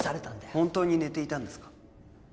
本当に寝ていたんですか？